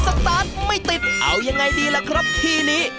สตาร์ทไม่ติดเอายังไงดีล่ะครับทีนี้